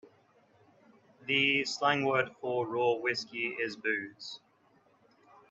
The slang word for raw whiskey is booze.